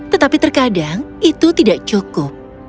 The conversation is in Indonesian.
tetapi terkadang itu tidak cukup